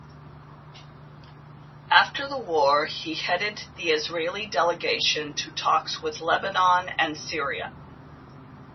After the war, he headed the Israeli delegation to talks with Lebanon and Syria.